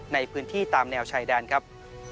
ในพื้นที่ตามแนวชายแดนครับ